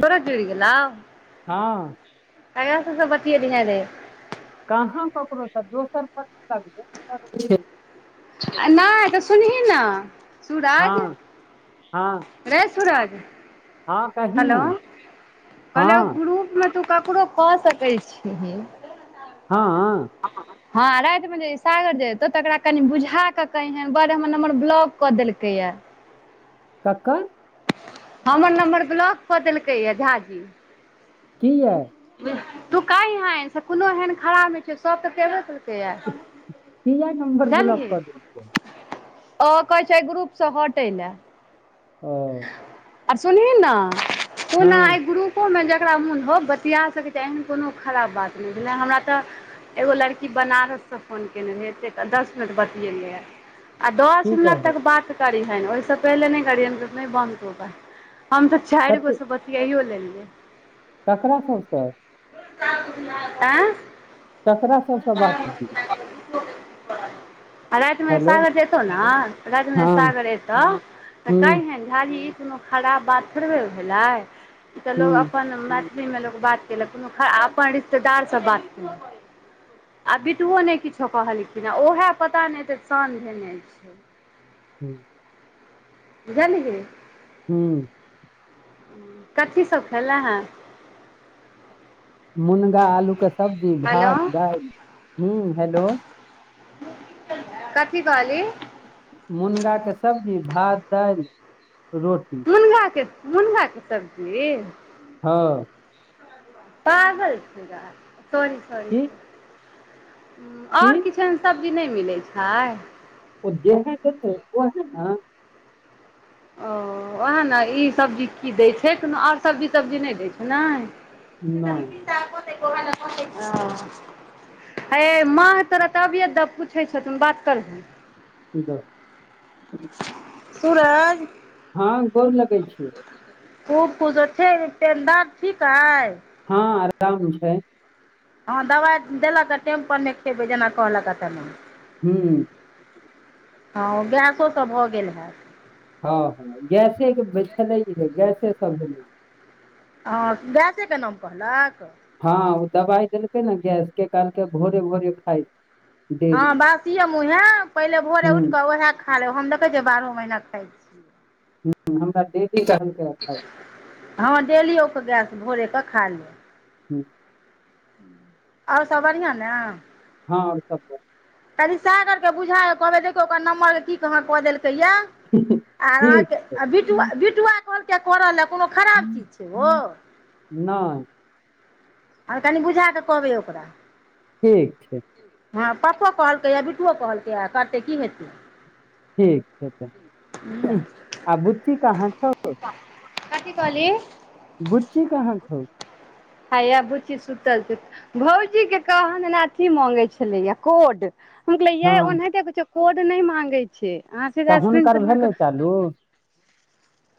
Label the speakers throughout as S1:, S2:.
S1: फेरो जुड़ि गेलौ
S2: हँ
S1: ककरा सब सँ बतियबिहे रे
S2: कहाँ ककरोसँ दोसर पर लगबे नय करै छै
S1: आ नय तऽ सुनही न सूरज
S2: हँ हँ
S1: रै सूरज
S2: हँ कही ने
S1: हेलो कहलियौ
S2: हँ
S1: ग्रुपमे तू ककरो कऽ सकै छिहि
S2: हँ
S1: हँ रातिमे जे ई सागर जे अयतौ तकरा कनि बुझा कऽ कहीन बौआ रे हमर नम्बर ब्लॉक कऽ देलकैए
S2: ककर
S1: हमर नम्बर ब्लॉक कऽ देलकै ये झा जी
S2: किये
S1: तु कैइहैन से कुनो एहन खराब नय छै सब तऽ केबे केलकैए ये
S2: किये नंबर ब्लॉक कऽ देलकै।
S1: ओ कहै छै ग्रुप सँ हटैले
S2: ओ
S1: आओर सुनहि न तुन
S2: हँ
S1: अय ग्रुप ोमे जकरा मोन हो बतिया सकै छी एहन कोनो खराब बात नय भेले जेना हमरा तऽ एगो लड़की बनारस सँ फोन कयने रहैत दस मिनट बतएलैए आ दस
S2: की
S1: मिनट
S2: कहब
S1: तक बात करीहेन ओयसे पहिले नय गियहन नय बंन्द करबै हम त
S2: कते
S1: चारगो स बतियायो लेलियै
S2: ककरा सब सँ
S1: एकाॅं गुड़िया सा आँ
S2: ककरा सब से बात करते
S1: [inaudible] आ रात मे
S2: हेलो
S1: सागर जेतौ ने रात मे
S2: हँ
S1: सागर एतौ तऽ
S2: हूँ
S1: कहियन झा जी ई कोनो खराब बात थोड़बे भेलै ई तऽ लोग
S2: हूँ
S1: अपन लोक बात केलक कोनो अपन रिश्तेदार स बात केलक आ बिटुओ नय किछो कहलखिन आ ओएहे पता नय एतै सान भेने छै [inaudible]
S2: हूँ
S1: बुझलही
S2: हूँ
S1: कथी सब खैलय हे
S2: मुनगा आलू के सब्जी
S1: हेलो
S2: भात दाल ह हेलो
S1: कथि कहली
S2: मुनगा के सब्जी भात दाल रोटी
S1: मुनगाके मुनगाके सब्जी
S2: हँ
S1: पागल छै गय सॉरी सॉरी
S2: की की
S1: ओर किछ अन सब्जी नय मिलै छैय
S2: ओ जेह देतै ओहै नै
S1: ओ ओएह ने ई सब्जी की दै छै कोनो ओर सब्जी तब्जी नय दै छै ने
S2: नहि
S1: [inaudible] हे माँ तोरा तबियत पूछै छौ तु बात कर हीन
S2: की दऽ
S1: सूरज
S2: हँ गोर लगै छी
S1: खूब खुश हो छै बाप ठीक अए
S2: हँ आराम छैय
S1: हँ दबाइ देलक हे टेम पर मे खेबै जेना कहलक ह तेना
S2: हूँ
S1: हँ गैसो सब भऽ गेल हैत
S2: हँ हँ गैसे के छलैेहे गैसे स भेलै
S1: हँ गैसे के नाम कहलक
S2: हँ ओ दवाइ देलकै नै गैस के कालके भोरे भोरे खाइ
S1: हँ
S2: डेली
S1: बासिये मुँहे पहिले भोरे
S2: हुँ
S1: उठ कऽ ओह खा ले हम देखै छियै बारहो महीना खाय छीय
S2: ह हमरा दे देत हल
S1: हँ डेलिये के गैस भोरे कऽ खा लेब
S2: हूँ
S1: ओर सब बढ़िआँ ने
S2: हँ ओर सब बड़िया
S1: कनि सागर के बुझा कऽ कहबै देखियौ ओकर नम्बर के की कहाँ कऽ देलकै ये
S2: बढ़िया।
S1: आर
S2: ठीक
S1: आज
S2: छै
S1: आ बीटुआ बिट बिटुआ कहलकै ये करल ले कोनो खराब चीज छै ओ
S2: नहि
S1: हँ कनि बुझाकऽ कहबै ओकरा
S2: ठीक छै
S1: हँ पप्पो कहलकैए बिटुओ कहलकै ये करतै की हेतै
S2: ठीक छै तऽ
S1: बुझलियै
S2: आ बुीच्ची कहाँ छौ
S1: कथी कहलही
S2: बुच्ची कहाँ छौ
S1: हैये बुच्ची सुतल छै भौजी के कहाँ दना अथी मांगे छलैये कोड हम कहलियै
S2: हँ
S1: ओनाहिते किछो कोड नै मांगे छै अहाँसँ जे स्क्रीन शेयर
S2: हेलो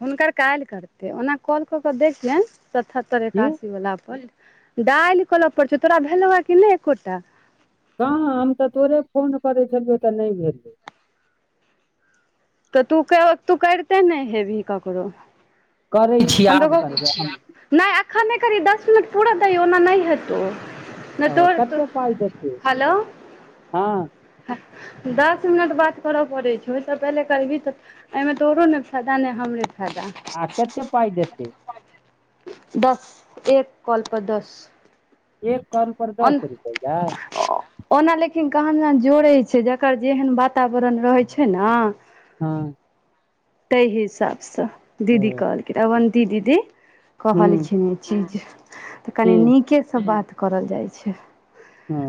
S1: हुनकर काल्हि करतै ओना कॉल कऽ कऽ देखियनि सतहत्तरि
S2: की
S1: एकासी वला पर दालि करऽ परतै तोरा भेलौये कि नय एकोटा
S2: कहाँ हम तऽ तोरे फोन करै छलियौ तऽ नय भेलै
S1: तऽ तू तू करिते नय हेबही ककरो
S2: करै छी आब करबै हम
S1: नय अखन नय करही दस मिनट पूर दही ओना नय हेतौ नय
S2: ओ
S1: तोहर तऽ
S2: कते पाइ देतै
S1: हेलो
S2: हँ
S1: दस मिनट बात करऽ पड़ै छै ओइ स तऽ पहिले करबही तऽ एहिमे तोरो ने फायदा ने हमरे फायदा
S2: हँ केते पाय देतै
S1: दस एक कॉल पर दस
S2: एक कॉल पर दस
S1: ओन
S2: रुपैया
S1: ओना लेकिन कहाँ दिना जोड़ै छै जकर जेहन वातावरण रहै छै न
S2: हँ
S1: तइ हिसाबसँ दीदी
S2: हँ,
S1: कहलकिन अबन्ती दीदी
S2: हूँ
S1: कहलखिन ई चीज तऽ
S2: की
S1: कनि नीकेसँ बात करल जाइ छै
S2: हँ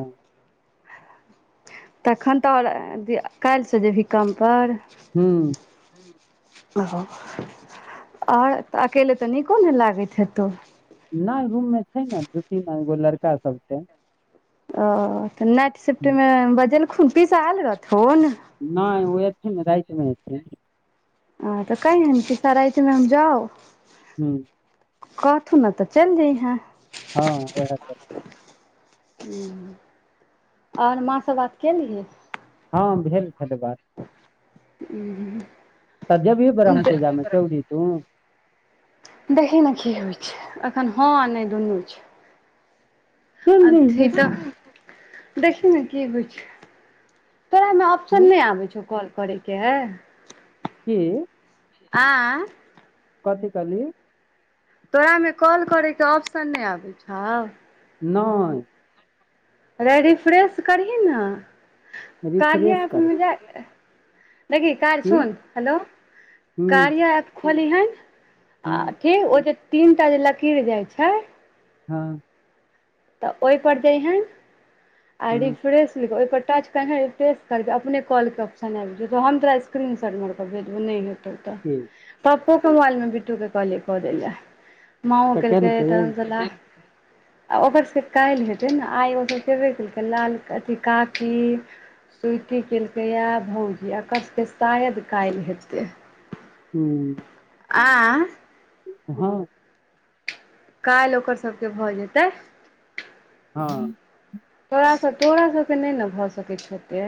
S1: तखन तऽ आओर अथी काल्हिसँ जेबही कमपर
S2: हुँ
S1: ओहो आओर तऽ अकेले तऽ नीको नय लागैत हेतौ
S2: नय रूम मे छै ने दू तीन आ एगो लड़का सब छै
S1: ओ तऽ नाइट सिफ्ट
S2: हूँ,
S1: मे बजेलखुन पीसा आयल रहथुन
S2: नय ओ एथिन न रातिमे एथिन
S1: हँ तऽ कैइहेन पीसा राति मे हम जाउ
S2: हुँ
S1: कहथुन न तऽ चलि जइहें
S2: हँ ओहे कर
S1: हुँ आओर माँ स बात केलही
S2: हँ भेल छलै बात
S1: हुँ
S2: तऽ जेबही ब्रह्म पूजा मे चौरी तूं
S1: देखही न की होइ छै एखन हँ आ नय दुनु छै [inaudible]
S2: चलि
S1: अथी
S2: जइहे
S1: तऽ देखि न की होय छै [inaudible] तोरा म
S2: की
S1: ऑप्शन नै आबै छौ कॉल करे केँ
S2: की
S1: [unintelligible]
S2: कथी कहली
S1: तोरा में कॉल करै केँ ऑप्शन नै आबै छौ
S2: नै
S1: रै रिफ्रेश करही न [inaudible] कार्या
S2: रिफ्रेश
S1: एप
S2: करबै
S1: में जा देखही काय
S2: की
S1: सुन हेलो
S2: हुँ
S1: कार्या एप खोली हैन अ
S2: हुँ
S1: ठीक ओ जे तीन ता जे लकीर जाय छै
S2: हऽ
S1: तऽ ओ पर जहें [inaudible] आ
S2: हँ
S1: रिफ्रेश लि ओ पर टच कहै रिफेंस करबै अपने कॉल कऽ ऑप्शन आइब जेतौ हम तोरा स्क्रीनशॉट मैर कऽ भेजबौ नै हेतौ तऽ
S2: की
S1: पप्पू कऽ मोबाइल म बिट्टू कऽ कहलिए कऽ दै ले माओ
S2: कटहल
S1: केलकै
S2: के
S1: तहन आ ओकर स काइल हेतै न आइ ओ सभ केबे केलकै लाल अथी काकी स्वीटी केलकै यै भौजी अकर स केँ शायद काइल हेतै
S2: हूं
S1: [unintelligible]
S2: [unintelligible]
S1: काइल ओकर सब कऽ भऽ जेते
S2: [unintelligible]
S1: तोरा सब तोरा सब कऽ नै न भऽ सकै छौ ओते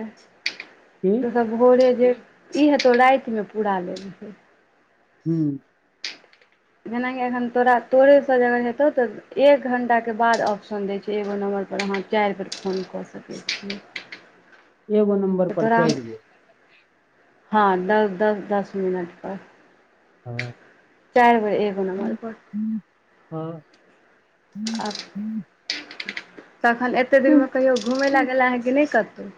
S2: की
S1: [inaudible] तु सब भोरे जे ई हे तो राइत मे पूरा लेब ही
S2: हूँ
S1: जेनाही एखन तोरा तोरे से जे अगर हेतो तऽ एक घण्टा केँ बाद ऑप्शन दे छै एगो नम्बर पर अहाँ चैर बेर फोन कऽ स [unintelligible]
S2: एगो नम्बर पर चैर बेर
S1: हँ दस दस दस मिनट पर
S2: हऽ
S1: चार बेर एगो नबर पर
S2: हऽ
S1: [unintelligible] तखन एते दिन में कहियो घुमै लऽ गेला है कि नै कतो [unintelligible]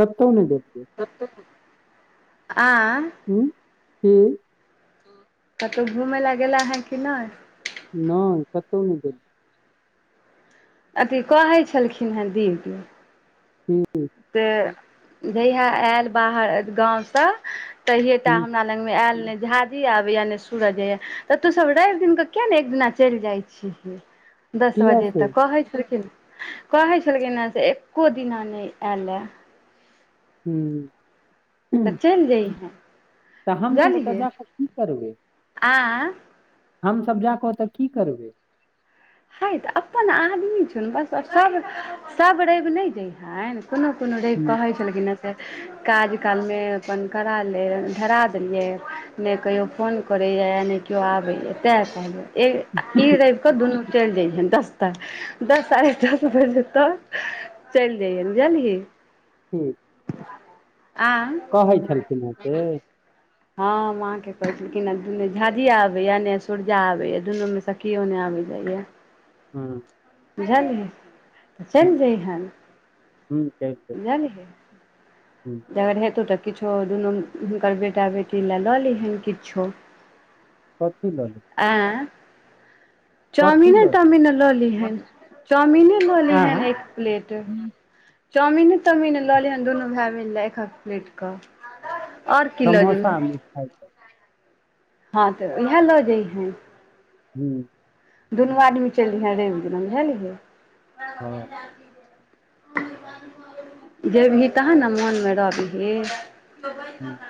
S2: कतो नै जै छियै
S1: [unintelligible]
S2: [unintelligible]
S1: कतौ घुमै लए गेला है कि नै
S2: नै कतो नै गेली
S1: अथी कहै छलखिन है दीदी
S2: [unintelligible]
S1: से जहिया ऐल बाहर गाँव स तहिये टा
S2: हुँ
S1: हमरा ल ग मे ऐल नै झाजी आबै यऽ नै सूरज त तूसब रेब दिन के किया ने एक दिना चल जाइ छिही दस
S2: किया
S1: बजे
S2: से
S1: त कहेत छल खिन कहेत छल खिन हे से एक्को दिना ने आयल एय
S2: हूँ
S1: तऽ चलि जइहे
S2: त हम सब ओत
S1: बुझलिही
S2: जाक की करबै
S1: आ य
S2: हमसब जाक ओत की करबे
S1: हय त अपन आदमी छुन बस आ सब सब रेव ने जेहन कोनो कोनो रेव
S2: हुँ
S1: कहे छल खिन है से काज काल मे अपन करा ल धरा देलिये ने कहियो फोन करेए ने केओ आबेए ते कह ई रविक दुनू छ्ले जाइ हेन दस्तटा दस साढ़े दस बजे तक चेल जइये है बुझलहि
S2: ठीक
S1: आऽ
S2: कहे छलखिन हे से
S1: हा माँ के कहे छल खिन दुू झा झिया आबेए ने सूरज आबे दुनू मे किओ ने आबे जाइया
S2: हूँ
S1: बुझलहि त चेल जइहन बुझलहिन
S2: हूँ
S1: जे अगर हेतो त किछो दुनू हुनकर बेटा बेटी ल लए लिहन किछो
S2: कथी लले
S1: अए
S2: कथी
S1: चाउमिने
S2: लऽ
S1: तामीने लऽ लिहेन चाउमिने लऽ लेहेन
S2: आँय
S1: एक प्लेट चाउमिने ताउमीन लऽ लिहन दुनू भायइ बहिन लेल एखक प्लेट कऽ आओर की लऽ
S2: समोसा मिठाइ
S1: हाँ तऽ इएह लऽ जयहे
S2: हूँ
S1: दुनू आदमी चेल जयहे रेब दिना बुझलिही
S2: हँ
S1: जेबही तहन ने मोन में रहबिही
S2: हुँ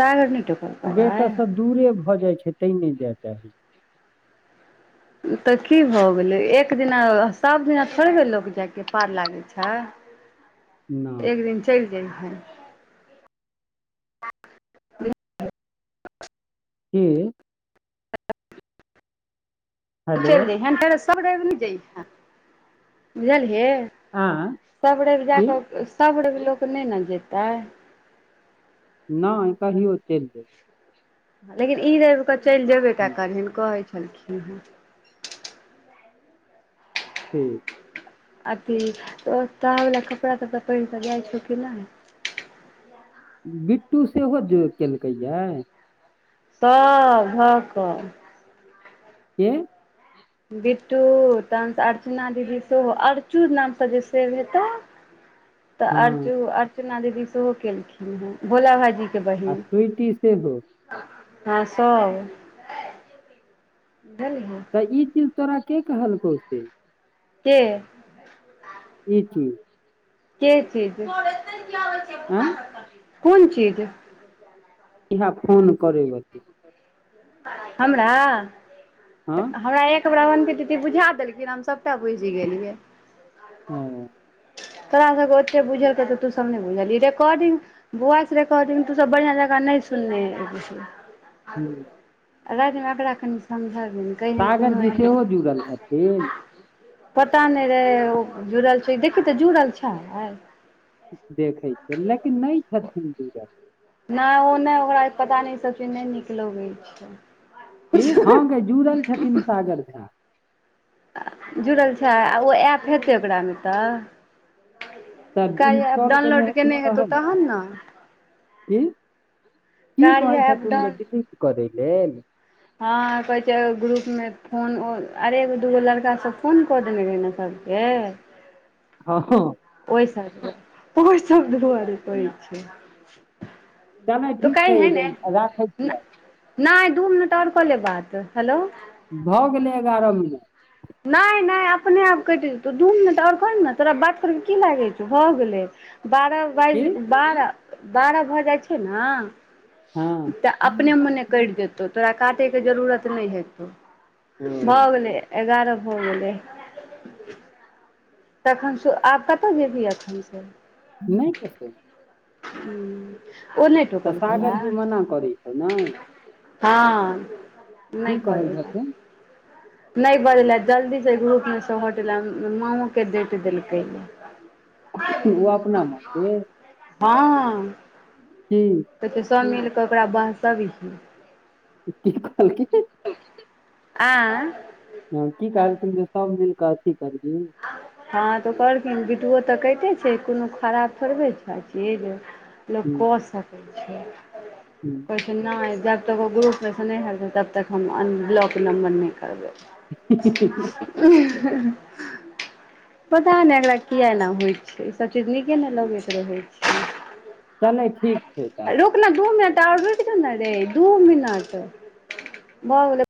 S1: सागर नय टोक
S2: बेटा सँ दूरे भऽ जाइ छैय तै नय जाय चाहै छी
S1: तऽ की भ गेलै एक दिना सभ दिना थोड़बे लोक जायके पार लागै छैय
S2: [inaudible]
S1: एक दिन चेल जयहिए
S2: कीऽ हेलो
S1: चेल जइहन फेर सब रेब नइ जइहे बुझलिहि
S2: आँय
S1: सब रेब जा
S2: की
S1: कऽ सब रेब लोक नय ने जेतै
S2: नय कहीयो चेल जेते
S1: लेकिन ई रवि कऽ चेल जेयबे कै
S2: हूँ,
S1: करहन कहै छलखिन हेँ
S2: ठीक
S1: अथी तोहर वला कपड़ा तपड़ा पहिर के जाइ छौ कि नय
S2: बिट्टू सेहो ज केलकै यै
S1: सब ढऽ कऽ
S2: के
S1: बिट्टू तहन सँ अर्चना दीदी सेहो अर्चू नाम स जे सेव हेतो
S2: [inaudible]
S1: तऽ
S2: हँ
S1: अर्चु अर्चना दीदी सेहो केलखिन हेँ भोला भाईजी
S2: आ स्विटी सेहो
S1: हाँ सब
S2: तऽ ई चीज तोरा के कहलकौ से
S1: के
S2: ई चीज
S1: के चीज
S2: आँय
S1: कोन चीज
S2: इहे फोन करै बला
S1: हमरा तऽ
S2: हँ
S1: हमरा एक हमरा अबन्ति दीदी बुझा देलखिन हम सभटा बुझि गेलियै
S2: ओ
S1: तोरा सबके ओते बुझलकौ तऽ तू सब नय बुझलही रेकॉर्डिंग वॉइस रेकॉर्डिंग तू सब बढ़ियाँ जकाँ नय सुनने हेबही
S2: हूँ
S1: राति मे एकरा कनि समझा देबै
S2: सागर जी सेहो जुड़ल छथिन
S1: पता नय रहै ओ जुड़ल छै देखियौ तऽ जुड़ल छै
S2: देखैत छै लेकिन नय छथिन जुड़ल
S1: नय ओ नय ओकरा पता नय ओ सबचीज नय नीक लगै छै।
S2: की हाॅं गै जुड़ल छथिन सागर झा।
S1: जुड़ल छै आ ओ ऐप हेते ओकरामे तऽ।
S2: तऽ
S1: कार्या एप
S2: इंस्टॉल
S1: डाउनलोड
S2: हेथिन
S1: केने हेतौ
S2: ने
S1: तहन न
S2: की की कहै
S1: कार्या ऐप
S2: छथुन जे डिलीट करै लेल
S1: हाँ कहै छै ओ ग्रुपमे फोन अरे एगो दूगो लड़का सब फोन कऽ देने रहै ने सब गे
S2: हाॅं हाॅं
S1: ओइ सब ओइ सब दुआरे कहै छै।
S2: चलै
S1: तो
S2: ठीक छै
S1: कैइहैने
S2: राखै छियै
S1: नैय दू मिनट आओर कऽ ले बात हेलो।
S2: भऽ गेलै एगारह मिनट।
S1: नय नय अपने आप कटि जेतौ दू मिनट आओर करही ने तोरा बात करै मे की लागै छौ भऽ गेलै। बारह बाइज
S2: की
S1: बारह बारह भऽ जाय छै
S2: हँ
S1: न। तऽ अपने मोने कटि जेतौ तोरा काटयके जरूरत नय हेतौ।
S2: ओ
S1: भऽ गेलै एगारह भऽ गेलै। तखन से आब कतऽ जेबही अखन से।
S2: नय कतौ।
S1: हुँ ओ नय।
S2: तऽ सागर जी मना करै छौ नय।
S1: हाॅं नय
S2: की कहै
S1: करैले।
S2: छथुन
S1: नय बजलै जल्दी से ग्रुप मे से हटेलै माँओ के डाँटि देलकैेये
S2: कोन उ अपना माँ के
S1: हाॅं।
S2: की
S1: कहै छै सब मिल कऽ ओकरा बहसबही।
S2: की कहलकी।
S1: आय।
S2: हाॅं की कहलखिन जे सब मिल कऽ अथी कदलहि।
S1: हाॅं तऽ कहलखिन बीटुओ तऽ कहैत छै कोनो खराब थोड़बे छै चीज। लोक कऽ सकै छैय।
S2: हुं।
S1: कहै छै नहि जब तक ओ ग्रुपमेसे नहि हटतै तब तक हम अनब्लॉक नम्बर नहि करबै। [unintelligible] पता नहि एकरा किया ऐना होइ छै इ सब चीज नीके नै लगैत रहै छै।
S2: चलै ठीक छैय तब।
S1: रुक नऽ दू मिनट और रुक जो ने रे दू मिनट भऽ गेलै।